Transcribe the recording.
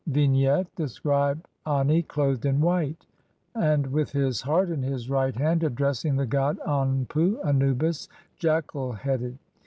] Vignette : The scribe Ani, clothed in white, and with his heart in his right hand, addressing the god Anpu (Anubis), jackal headed.